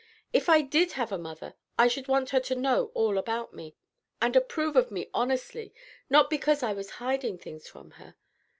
If I did have a mother, I should want her to know all about me, and approve of me honestly, not because I was hiding things from her.